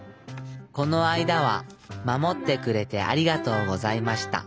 このあいだはまもってくれてありがとうございました。